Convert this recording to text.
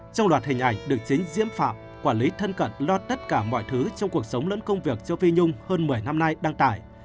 trong loạt hình ảnh được chính diễm phạm quản lý thân cận lo tất cả mọi thứ trong cuộc sống lẫn công việc châu phi nhung hơn một mươi năm nay đăng tải